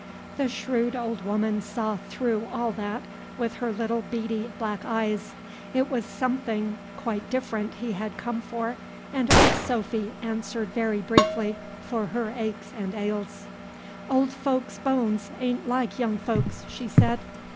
The shrewd old woman saw through all that with her little beady black eyes. It was something quite different he had come for, and old Sophy answered very briefly for her aches and ails. "Old folks' bones a'n't like young folks'," she said.